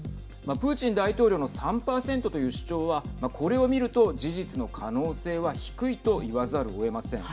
プーチン大統領の３％という主張はこれを見ると、事実の可能性は低いと言わざるをえません。